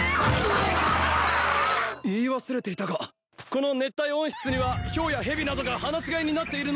言い忘れていたがこの熱帯温室にはヒョウや蛇などが放し飼いになっているので気を付けてくれ。